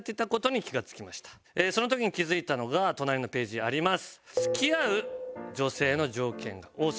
その時に気付いたのが隣のページにあります。